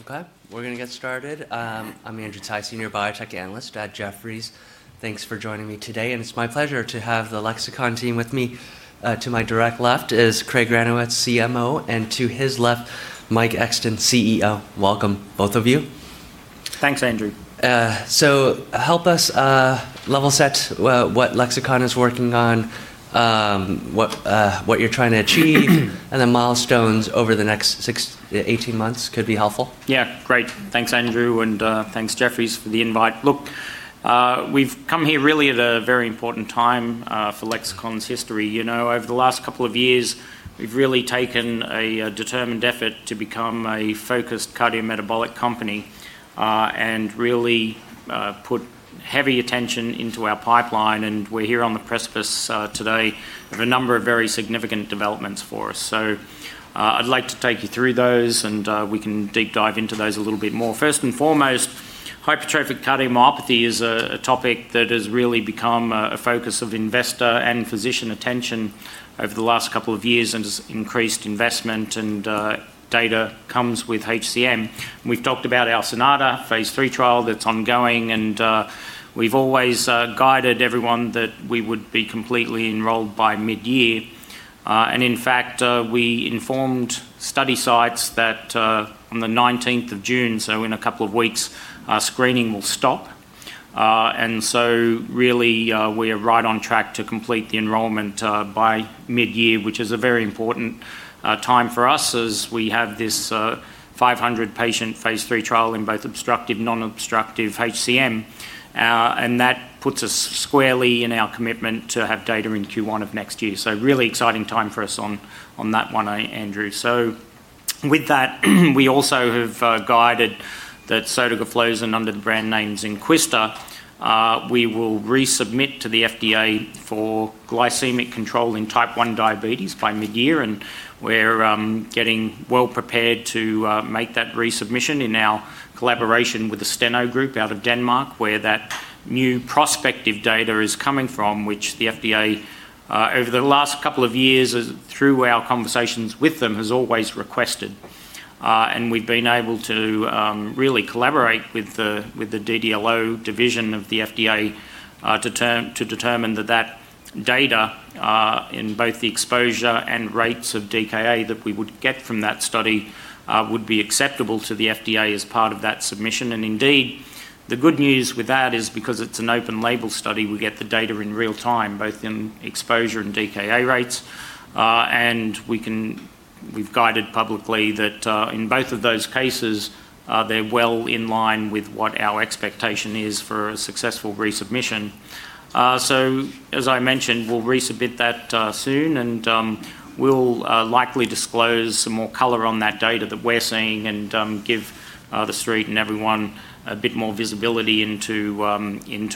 Okay, we're going to get started. I'm Andrew Tsai, senior biotech analyst at Jefferies. Thanks for joining me today, and it's my pleasure to have the Lexicon team with me. To my direct left is Craig Granowitz, CMO, and to his left, Mike Exton, CEO. Welcome, both of you. Thanks, Andrew. Help us level set what Lexicon is working on, what you're trying to achieve, and the milestones over the next 6-8 months could be helpful. Great. Thanks, Andrew, and thanks, Jefferies, for the invite. Look, we've come here really at a very important time for Lexicon's history. Over the last couple of years, we've really taken a determined effort to become a focused cardiometabolic company, and really put heavy attention into our pipeline, and we're here on the precipice today of a number of very significant developments for us. I'd like to take you through those, and we can deep dive into those a little bit more. First and foremost, hypertrophic cardiomyopathy is a topic that has really become a focus of investor and physician attention over the last couple of years, and has increased investment and data comes with HCM. We've talked about our SONATA Phase III trial that's ongoing, and we've always guided everyone that we would be completely enrolled by mid-year. In fact, we informed study sites that on the 19th of June, so in a couple of weeks, screening will stop. Really, we are right on track to complete the enrollment by mid-year, which is a very important time for us as we have this 500-patient phase III trial in both obstructive, non-obstructive HCM. That puts us squarely in our commitment to have data in Q1 of next year. Really exciting time for us on that one, Andrew. With that, we also have guided that sotagliflozin under the brand name Zynquista we will resubmit to the FDA for glycemic control in type 1 diabetes by mid-year, and we're getting well prepared to make that resubmission in our collaboration with the Steno group out of Denmark, where that new prospective data is coming from, which the FDA, over the last couple of years through our conversations with them, has always requested. We've been able to really collaborate with the DDLO division of the FDA to determine that data in both the exposure and rates of DKA that we would get from that study would be acceptable to the FDA as part of that submission. Indeed, the good news with that is because it's an open label study, we get the data in real time, both in exposure and DKA rates. We've guided publicly that in both of those cases, they're well in line with what our expectation is for a successful resubmission. As I mentioned, we'll resubmit that soon and we'll likely disclose some more color on that data that we're seeing and give the street and everyone a bit more visibility into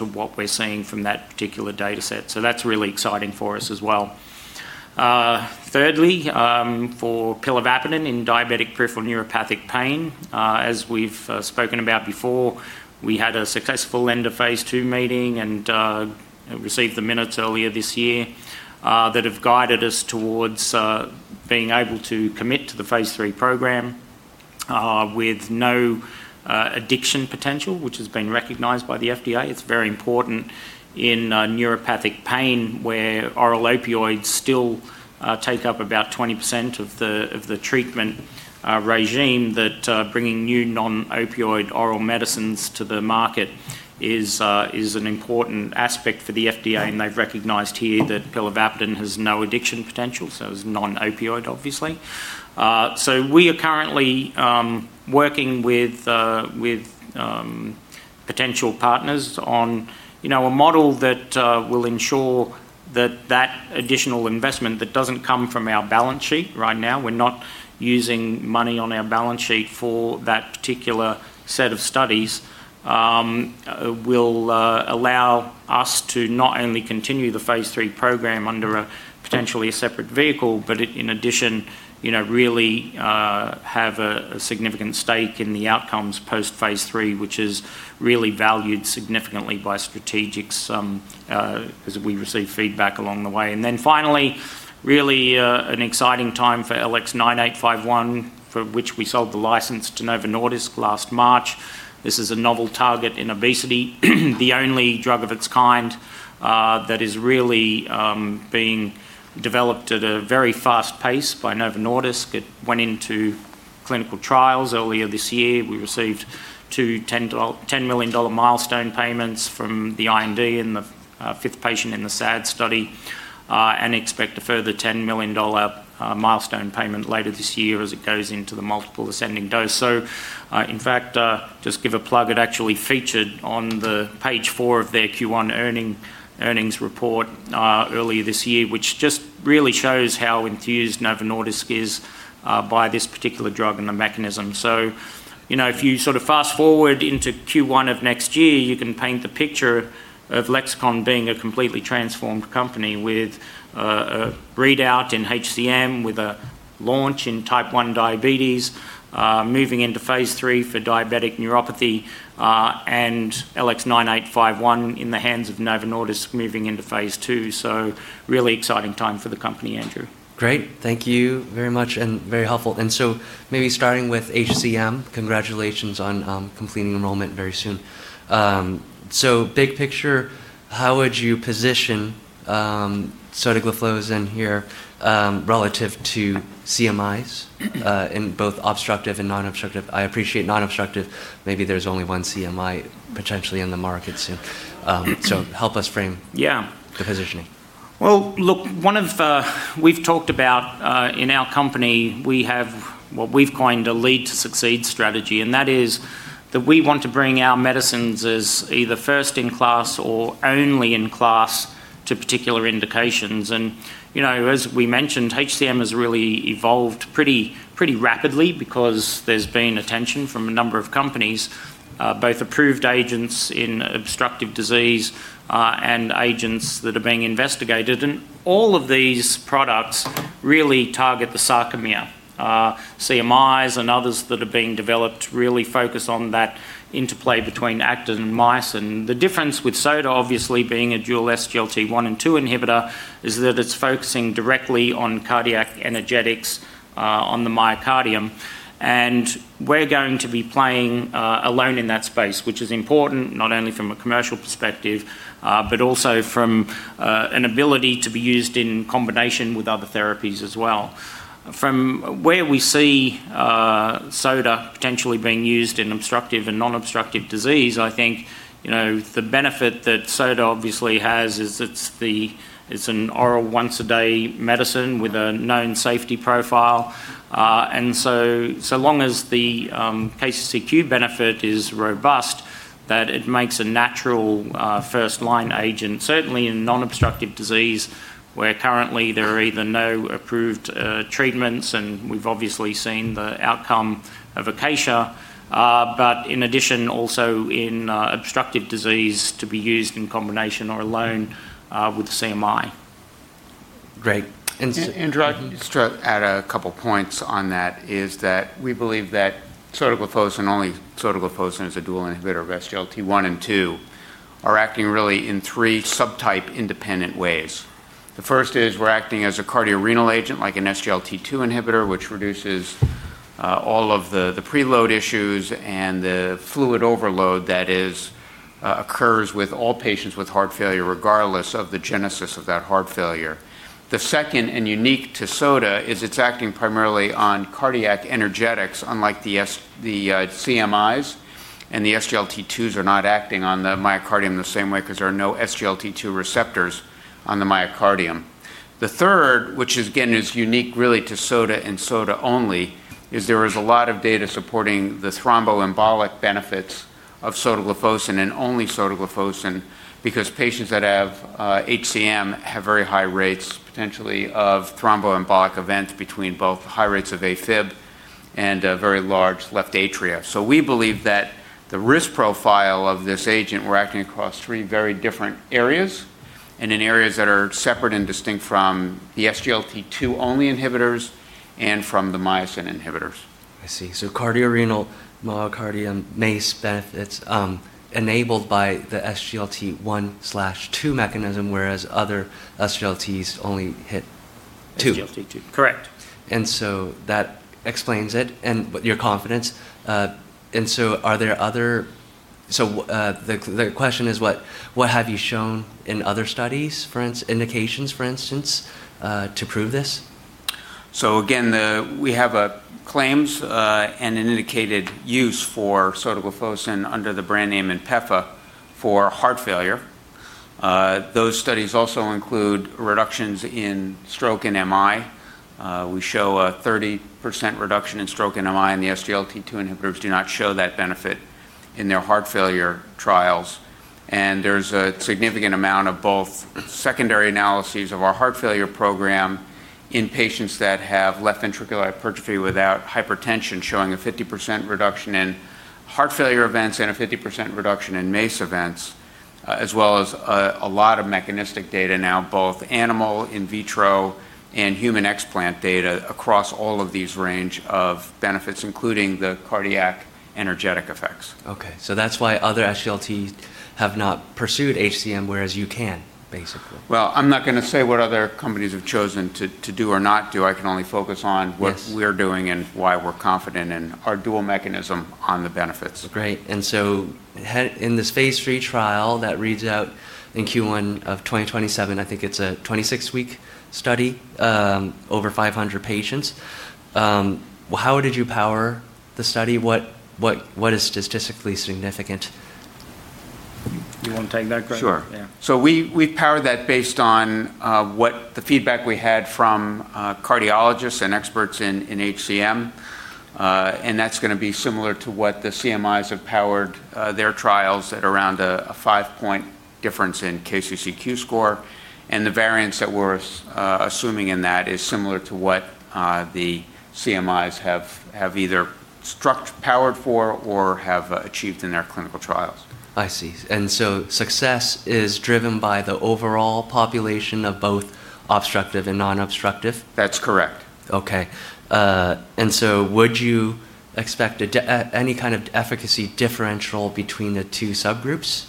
what we're seeing from that particular data set. That's really exciting for us as well. Thirdly, for pilavapadin in diabetic peripheral neuropathic pain, as we've spoken about before, we had a successful end of phase II meeting and received the minutes earlier this year that have guided us towards being able to commit to the phase III program with no addiction potential, which has been recognized by the FDA. It's very important in neuropathic pain, where oral opioids still take up about 20% of the treatment regime that bringing new non-opioid oral medicines to the market is an important aspect for the FDA, and they've recognized here that pilavapadin has no addiction potential, so it's non-opioid, obviously. We are currently working with potential partners on a model that will ensure that that additional investment that doesn't come from our balance sheet right now, we're not using money on our balance sheet for that particular set of studies, will allow us to not only continue the phase III program under a potentially separate vehicle, but in addition really have a significant stake in the outcomes post phase III, which is really valued significantly by strategics as we receive feedback along the way. Finally, really an exciting time for LX9851, for which we sold the license to Novo Nordisk last March. This is a novel target in obesity, the only drug of its kind that is really being developed at a very fast pace by Novo Nordisk. It went into clinical trials earlier this year. We received two $10 million milestone payments from the IND and the fifth patient in the SAD study, and expect a further $10 million milestone payment later this year as it goes into the multiple ascending dose. In fact, just give a plug, it actually featured on the page four of their Q1 earnings report earlier this year, which just really shows how enthused Novo Nordisk is by this particular drug and the mechanism. If you fast-forward into Q1 of next year, you can paint the picture of Lexicon being a completely transformed company with a readout in HCM, with a launch in type 1 diabetes, moving into phase III for diabetic neuropathy, and LX9851 in the hands of Novo Nordisk moving into phase II. Really exciting time for the company, Andrew. Great. Thank you very much and very helpful. Maybe starting with HCM, congratulations on completing enrollment very soon. Big picture, how would you position sotagliflozin here relative to CMI in both obstructive and non-obstructive? I appreciate non-obstructive, maybe there's only one CMI potentially in the market soon. Yeah The positioning. Well, look, we've talked about, in our company, we have what we've coined a lead to succeed strategy, and that is that we want to bring our medicines as either first-in-class or only-in-class to particular indications. As we mentioned, HCM has really evolved pretty rapidly because there's been attention from a number of companies, both approved agents in obstructive disease, and agents that are being investigated. All of these products really target the sarcomere. CMI and others that are being developed really focus on that interplay between actin and myosin. The difference with SOTA obviously being a dual SGLT1 and SGLT2 inhibitor is that it's focusing directly on cardiac energetics, on the myocardium. We're going to be playing alone in that space, which is important not only from a commercial perspective, but also from an ability to be used in combination with other therapies as well. From where we see SOTA potentially being used in obstructive and non-obstructive disease, I think, the benefit that SOTA obviously has is it's an oral once-a-day medicine with a known safety profile. So long as the KCCQ benefit is robust, that it makes a natural first-line agent, certainly in non-obstructive disease, where currently there are either no approved treatments, and we've obviously seen the outcome of ACADIA. In addition, also in obstructive disease to be used in combination or alone with CMI. Great. Just to add a couple points on that is that we believe that sotagliflozin, only sotagliflozin as a dual inhibitor of SGLT1 and SGLT2, are acting really in three subtype independent ways. The first is we're acting as a cardiorenal agent like an SGLT2 inhibitor, which reduces all of the preload issues and the fluid overload that occurs with all patients with heart failure regardless of the genesis of that heart failure. The second, and unique to SOTA, is it's acting primarily on cardiac energetics, unlike the CMI and the SGLT2s are not acting on the myocardium the same way because there are no SGLT2 receptors on the myocardium. The third, which again is unique really to SOTA and SOTA only, is there is a lot of data supporting the thromboembolic benefits of sotagliflozin and only sotagliflozin because patients that have HCM have very high rates, potentially, of thromboembolic events between both high rates of AFib and a very large left atria. We believe that the risk profile of this agent, we're acting across three very different areas, and in areas that are separate and distinct from the SGLT2 only inhibitors and from the myosin inhibitors. I see. Cardiorenal, myocardium MACE benefits, enabled by the SGLT1/2 mechanism, whereas other SGLTs only hit two. SGLT2. Correct. That explains it and your confidence. The question is what have you shown in other studies, indications, for instance, to prove this? Again, we have claims, and an indicated use for sotagliflozin under the brand name INPEFA for heart failure. Those studies also include reductions in stroke and MI. We show a 30% reduction in stroke and MI. The SGLT2 inhibitors do not show that benefit in their heart failure trials. There's a significant amount of both secondary analyses of our heart failure program in patients that have left ventricular hypertrophy without hypertension, showing a 50% reduction in heart failure events and a 50% reduction in MACE events, as well as a lot of mechanistic data now, both animal, in vitro, and human explant data across all of these range of benefits, including the cardiac energetic effects. Okay. That's why other SGLTs have not pursued HCM, whereas you can, basically. Well, I'm not going to say what other companies have chosen to do or not do. I can only focus. Yes What we're doing and why we're confident in our dual mechanism on the benefits. Great. In this phase III trial that reads out in Q1 of 2027, I think it's a 26-week study, over 500 patients. How did you power the study? What is statistically significant? You want to take that, Craig? Sure. Yeah. We powered that based on the feedback we had from cardiologists and experts in HCM. That's going to be similar to what the CMI have powered their trials at around a five-point difference in KCCQ score. The variance that we're assuming in that is similar to what the CMI have either powered for or have achieved in their clinical trials. I see. Success is driven by the overall population of both obstructive and non-obstructive? That's correct. Okay. Would you expect any kind of efficacy differential between the two subgroups?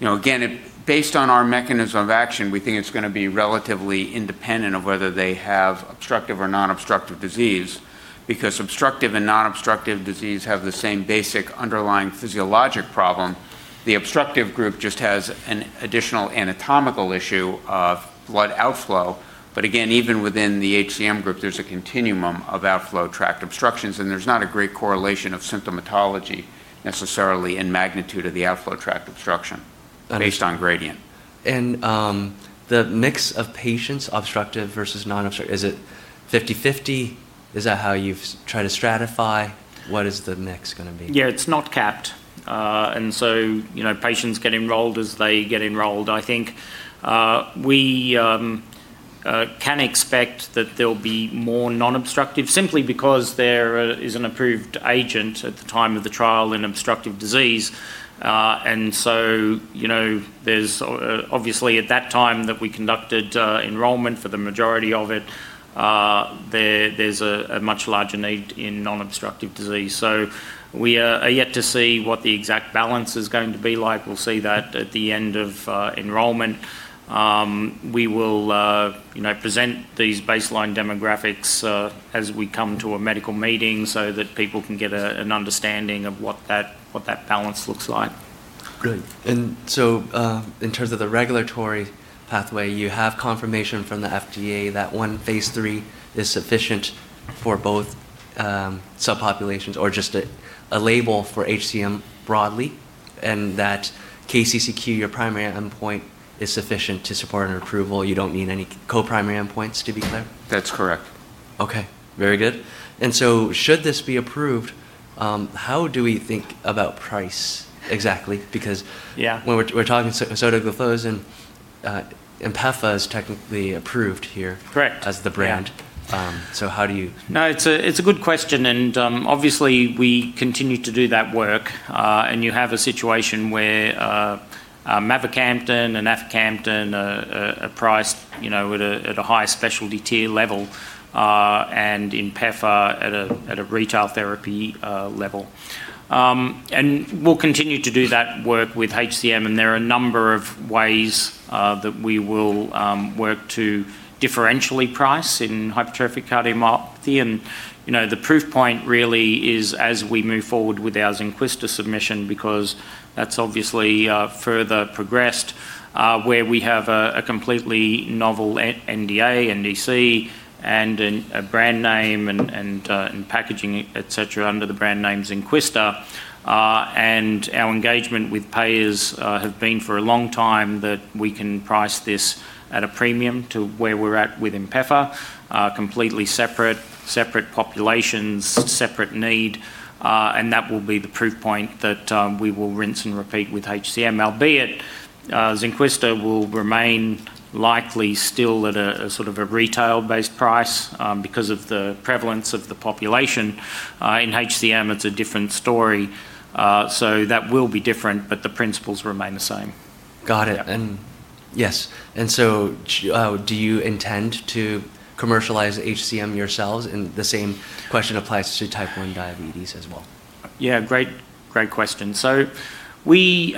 Again, based on our mechanism of action, we think it's going to be relatively independent of whether they have obstructive or non-obstructive disease because obstructive and non-obstructive disease have the same basic underlying physiologic problem. The obstructive group just has an additional anatomical issue of blood outflow. Again, even within the HCM group, there's a continuum of outflow tract obstructions, and there's not a great correlation of symptomatology necessarily in magnitude of the outflow tract obstruction based on gradient. The mix of patients, obstructive versus non-obstructive, is it 50/50? Is that how you've tried to stratify? What is the mix going to be? Yeah, it's not capped. Patients get enrolled as they get enrolled. I think we can expect that there'll be more non-obstructive, simply because there is an approved agent at the time of the trial in obstructive disease. Obviously at that time that we conducted enrollment for the majority of it, there's a much larger need in non-obstructive disease. We are yet to see what the exact balance is going to be like. We'll see that at the end of enrollment. We will present these baseline demographics as we come to a medical meeting so that people can get an understanding of what that balance looks like. Good. In terms of the regulatory pathway, you have confirmation from the FDA that one phase III is sufficient for both subpopulations or just a label for HCM broadly, and that KCCQ, your primary endpoint, is sufficient to support an approval. You don't need any co-primary endpoints to be clear? That's correct. Okay. Very good. Should this be approved, how do we think about price exactly? Yeah When we're talking sotagliflozin, INPEFA is technically approved here. Correct As the brand. How do you? No, it's a good question. Obviously we continue to do that work. You have a situation where mavacamten and aficamten are priced at a higher specialty tier level, INPEFA at a retail therapy level. We'll continue to do that work with HCM, and there are a number of ways that we will work to differentially price in hypertrophic cardiomyopathy. The proof point really is as we move forward with our Zynquista submission, because that's obviously further progressed, where we have a completely novel NDA, NDC, and a brand name and packaging, et cetera, under the brand name Zynquista. Our engagement with payers have been for a long time that we can price this at a premium to where we're at with INPEFA, completely separate populations, separate need, and that will be the proof point that we will rinse and repeat with HCM. Albeit, Zynquista will remain likely still at a sort of a retail-based price, because of the prevalence of the population. In HCM, it's a different story. That will be different, but the principles remain the same. Got it. Yeah. Yes. Do you intend to commercialize HCM yourselves? The same question applies to type 1 diabetes as well. Yeah, great question. We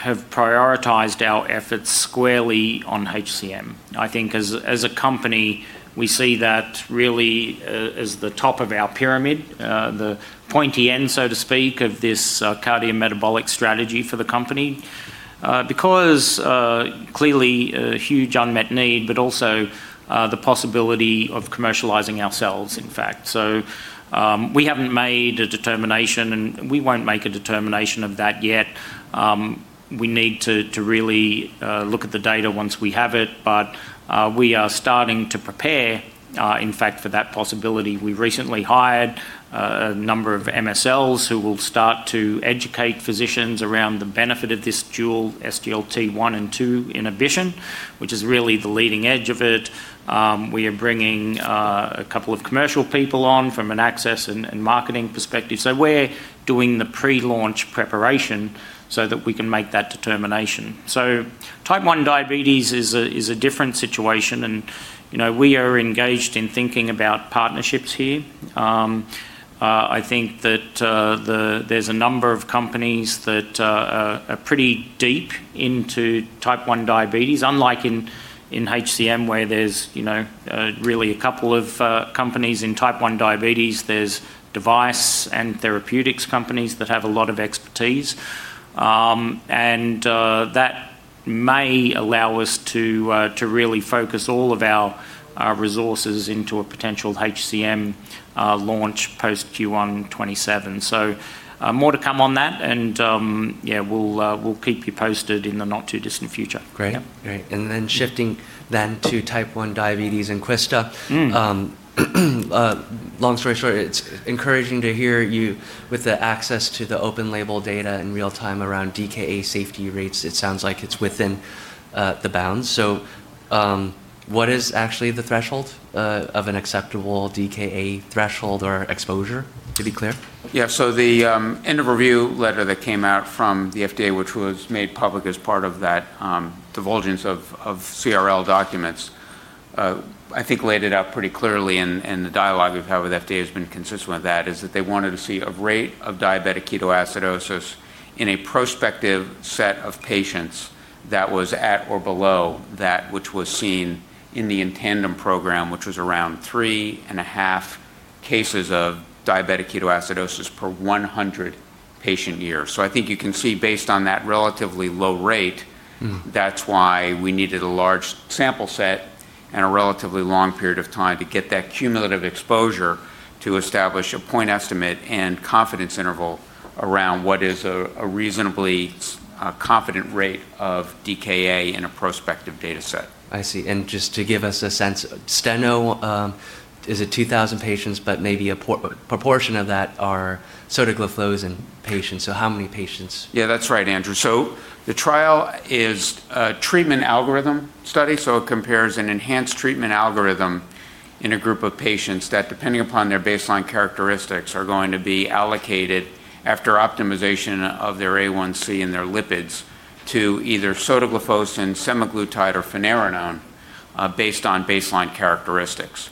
have prioritized our efforts squarely on HCM. I think as a company, we see that really as the top of our pyramid, the pointy end, so to speak, of this cardiometabolic strategy for the company. Clearly, a huge unmet need, but also the possibility of commercializing ourselves, in fact. We haven't made a determination, and we won't make a determination of that yet. We need to really look at the data once we have it. We are starting to prepare, in fact, for that possibility. We recently hired a number of MSLs who will start to educate physicians around the benefit of this dual SGLT1 and SGLT2 inhibition, which is really the leading edge of it. We are bringing a couple of commercial people on from an access and marketing perspective. We're doing the pre-launch preparation so that we can make that determination. Type 1 diabetes is a different situation, and we are engaged in thinking about partnerships here. I think that there's a number of companies that are pretty deep into type 1 diabetes, unlike in HCM where there's really a couple of companies. In type 1 diabetes, there's device and therapeutics companies that have a lot of expertise. That may allow us to really focus all of our resources into a potential HCM launch post Q1 2027. More to come on that, and yeah, we'll keep you posted in the not-too-distant future. Great. Yeah. Great. Shifting to type 1 diabetes Zynquista. Long story short, it's encouraging to hear you with the access to the open label data in real time around DKA safety rates. It sounds like it's within the bounds. What is actually the threshold of an acceptable DKA threshold or exposure, to be clear? Yeah. The end of review letter that came out from the FDA, which was made public as part of that divulgence of CRL documents, I think laid it out pretty clearly in the dialogue we've had with FDA has been consistent with that, is that they wanted to see a rate of diabetic ketoacidosis in a prospective set of patients that was at or below that which was seen in the inTandem program, which was around three and a half cases of diabetic ketoacidosis per 100 patient years. I think you can see based on that relatively low rate. That's why we needed a large sample set and a relatively long period of time to get that cumulative exposure to establish a point estimate and confidence interval around what is a reasonably confident rate of DKA in a prospective data set. I see. Just to give us a sense, Steno, is it 2,000 patients, but maybe a proportion of that are sotagliflozin patients, so how many patients? That's right, Andrew. The trial is a treatment algorithm study, so it compares an enhanced treatment algorithm in a group of patients that, depending upon their baseline characteristics, are going to be allocated after optimization of their A1c and their lipids to either sotagliflozin, semaglutide, or finerenone based on baseline characteristics.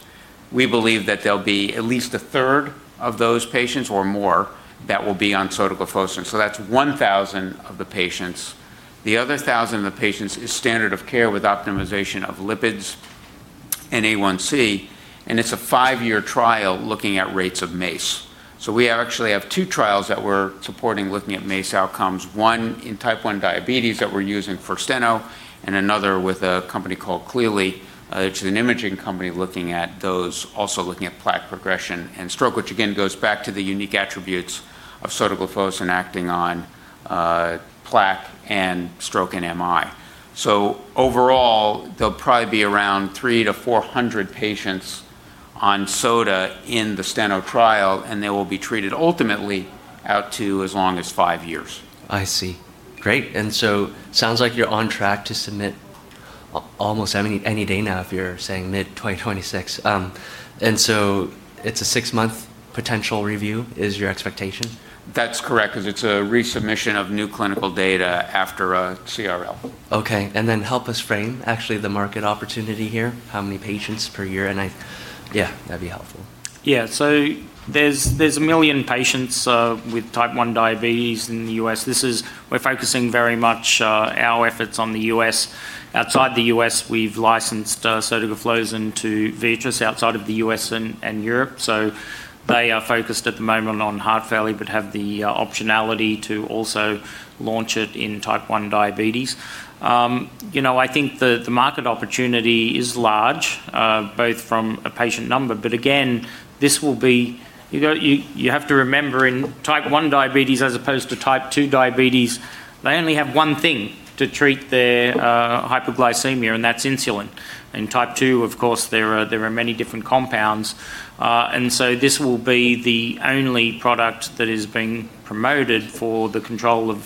We believe that there'll be at least a third of those patients or more that will be on sotagliflozin, so that's 1,000 of the patients. The other 1,000 of the patients is standard of care with optimization of lipids and A1c, it's a five-year trial looking at rates of MACE. We actually have two trials that we're supporting looking at MACE outcomes, one in type 1 diabetes that we're using for STENO and another with a company called Cleerly. It's an imaging company also looking at plaque progression and stroke, which again goes back to the unique attributes of sotagliflozin acting on plaque and stroke and MI. Overall, there'll probably be around 300-400 patients on SOTA in the STENO trial, and they will be treated ultimately out to as long as five years. I see. Great. Sounds like you're on track to submit almost any day now if you're saying mid-2026. It's a six-month potential review is your expectation? That's correct, because it's a resubmission of new clinical data after a CRL. Okay. Then help us frame actually the market opportunity here. How many patients per year? Yeah, that'd be helpful. There's 1 million patients with type 1 diabetes in the U.S. We're focusing very much our efforts on the U.S. Outside the U.S., we've licensed sotagliflozin to Viatris outside of the U.S. and Europe. They are focused at the moment on heart failure but have the optionality to also launch it in type 1 diabetes. I think the market opportunity is large, both from a patient number, but again, you have to remember in type 1 diabetes as opposed to type 2 diabetes, they only have one thing to treat their hyperglycemia, and that's insulin. In type 2, of course, there are many different compounds, this will be the only product that is being promoted for the control of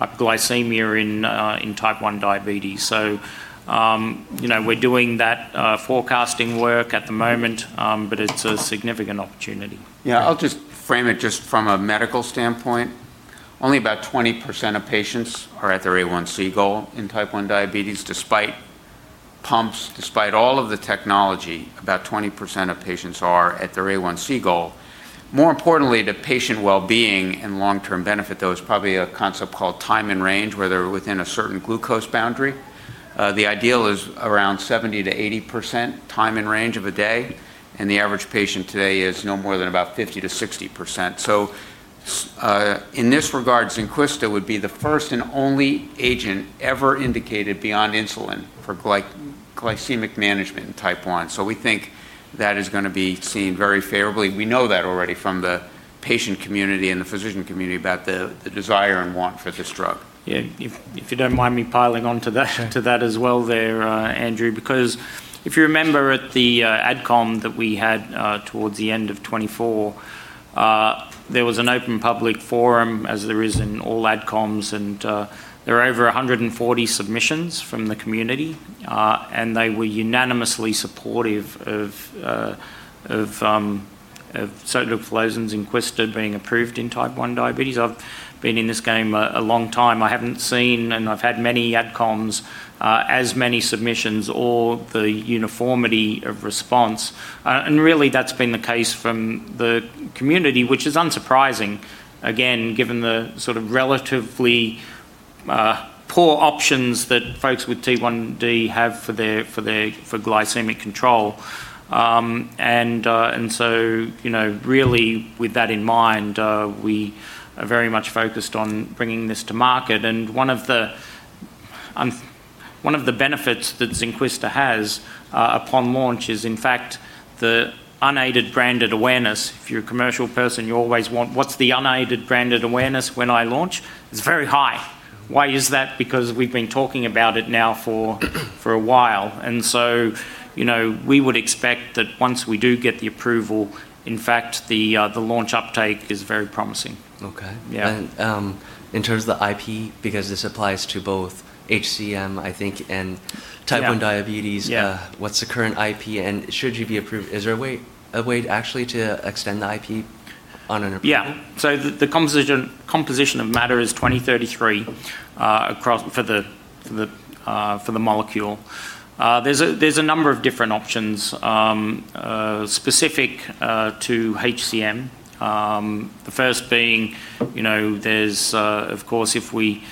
hyperglycemia in type 1 diabetes. We're doing that forecasting work at the moment, but it's a significant opportunity. Yeah, I'll just frame it just from a medical standpoint. Only about 20% of patients are at their A1C goal in type 1 diabetes. Despite pumps, despite all of the technology, about 20% of patients are at their A1C goal. More importantly to patient wellbeing and long-term benefit, though, is probably a concept called time in range, where they're within a certain glucose boundary. The ideal is around 70%-80% time in range of a day, and the average patient today is no more than about 50%-60%. In this regard, Zynquista would be the first and only agent ever indicated beyond insulin for glycemic management in type 1. We think that is going to be seen very favorably. We know that already from the patient community and the physician community about the desire and want for this drug. Yeah, if you don't mind me piling onto that as well there, Andrew. If you remember at the AdCom that we had towards the end of 2024, there was an open public forum, as there is in all AdComs, and there were over 140 submissions from the community, and they were unanimously supportive of sotagliflozin's Zynquista being approved in type 1 diabetes. I've been in this game a long time. I haven't seen, and I've had many AdComs, as many submissions or the uniformity of response. Really, that's been the case from the community, which is unsurprising, again, given the sort of relatively poor options that folks with T1D have for glycemic control. Really with that in mind, we are very much focused on bringing this to market, and one of the benefits that Zynquista has upon launch is, in fact, the unaided branded awareness. If you're a commercial person, you always want, what's the unaided branded awareness when I launch? It's very high. Why is that? Because we've been talking about it now for a while, and so we would expect that once we do get the approval, in fact, the launch uptake is very promising. Okay. Yeah. In terms of the IP, because this applies to both HCM, I think, and type 1 diabetes. Yeah What's the current IP? Should you be approved, is there a way actually to extend the IP on an approval? Yeah. The composition of matter is 2033 for the molecule. There's a number of different options specific to HCM. The first being, there's of course, if we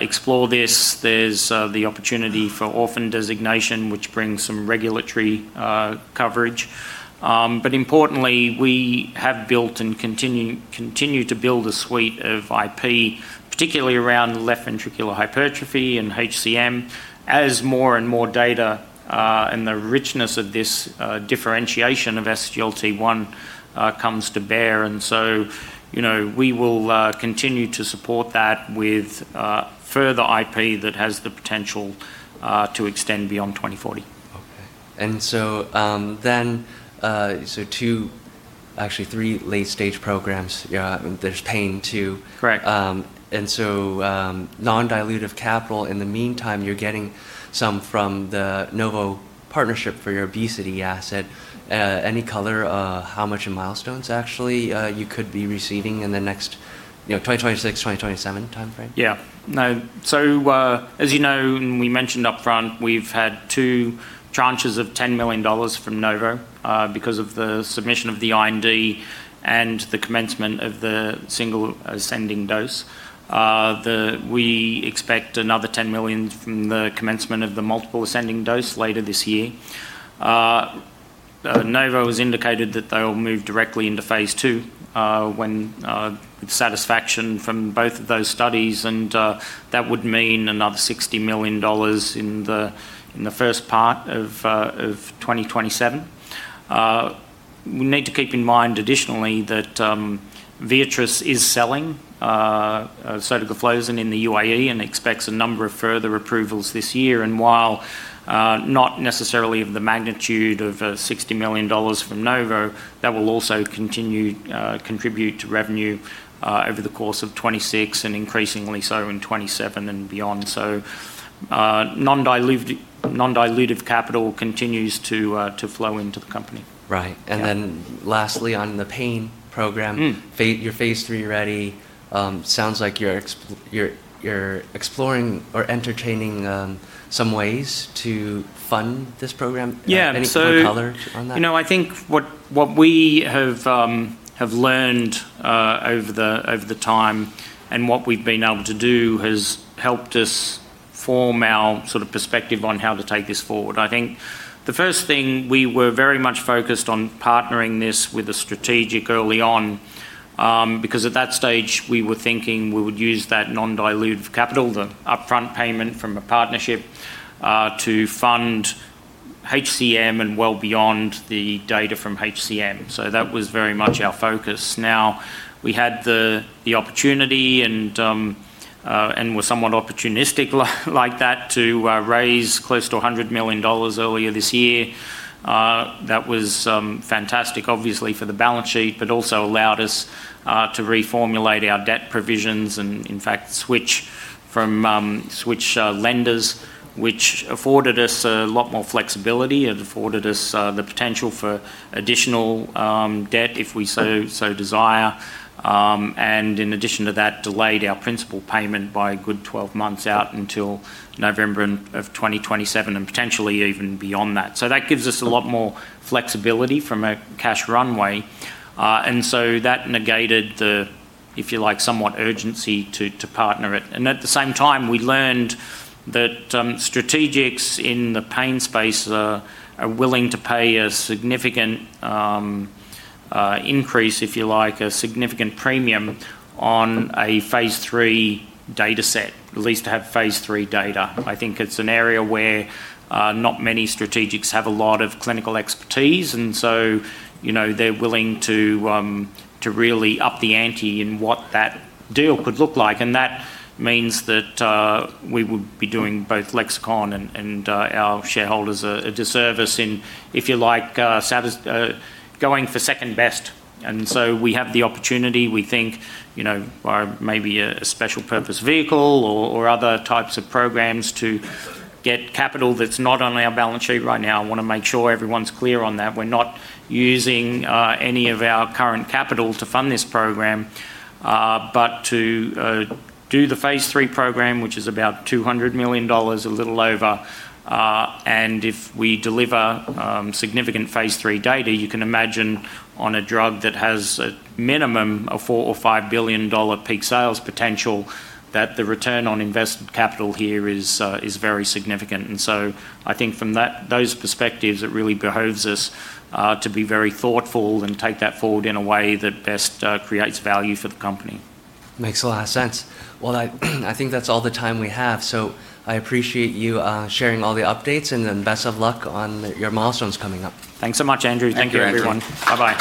explore this, there's the opportunity for orphan designation, which brings some regulatory coverage. Importantly, we have built and continue to build a suite of IP, particularly around left ventricular hypertrophy and HCM as more and more data and the richness of this differentiation of SGLT1 comes to bear. We will continue to support that with further IP that has the potential to extend beyond 2040. Two, actually three late-stage programs. There's pain too. Correct. Non-dilutive capital. In the meantime, you're getting some from the Novo partnership for your obesity asset. Any color how much in milestones, actually, you could be receiving in the next 2026, 2027 timeframe? Yeah. No. As you know, and we mentioned upfront, we've had two tranches of $10 million from Novo, because of the submission of the IND and the commencement of the single-ascending dose. We expect another $10 million from the commencement of the multiple-ascending dose later this year. Novo has indicated that they will move directly into phase II, when satisfaction from both of those studies, and that would mean another $60 million in the first part of 2027. We need to keep in mind additionally that Viatris is selling sotagliflozin in the UAE and expects a number of further approvals this year. While not necessarily of the magnitude of $60 million from Novo, that will also contribute to revenue over the course of 2026 and increasingly so in 2027 and beyond. Non-dilutive capital continues to flow into the company. Right. Lastly, on the pain program. Your phase III-ready sounds like you're exploring or entertaining some ways to fund this program. Yeah. Any further color on that? I think what we have learned over the time and what we've been able to do has helped us form our perspective on how to take this forward. I think the first thing, we were very much focused on partnering this with a strategic early on, because at that stage, we were thinking we would use that non-dilutive capital, the upfront payment from a partnership, to fund HCM and well beyond the data from HCM. That was very much our focus. Now, we had the opportunity and were somewhat opportunistic like that to raise close to $100 million earlier this year. That was fantastic, obviously, for the balance sheet, but also allowed us to reformulate our debt provisions and, in fact, switch lenders, which afforded us a lot more flexibility. It afforded us the potential for additional debt if we so desire. In addition to that, delayed our principal payment by a good 12 months out until November of 2027, and potentially even beyond that. That gives us a lot more flexibility from a cash runway. That negated the, if you like, somewhat urgency to partner it. At the same time, we learned that strategics in the pain space are willing to pay a significant increase, if you like, a significant premium on a phase III data set, at least to have phase III data. I think it's an area where not many strategics have a lot of clinical expertise, and so they're willing to really up the ante in what that deal could look like. That means that we would be doing both Lexicon and our shareholders a disservice in, if you like, going for second best. We have the opportunity, we think, via maybe a special-purpose vehicle or other types of programs to get capital that's not on our balance sheet right now. I want to make sure everyone's clear on that. We're not using any of our current capital to fund this program, but to do the phase III program, which is about $200 million, a little over. If we deliver significant phase III data, you can imagine on a drug that has a minimum of $4 or $5 billion peak sales potential, that the return on invested capital here is very significant. I think from those perspectives, it really behooves us to be very thoughtful and take that forward in a way that best creates value for the company. Makes a lot of sense. Well, I think that's all the time we have. I appreciate you sharing all the updates, best of luck on your milestones coming up. Thanks so much, Andrew. Thank you, Andrew. Take care, everyone. Bye-bye.